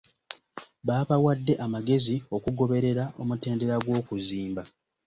Baabawadde amagezi okugoberera omutendera gw'okuzimba.